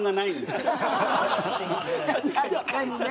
確かにね。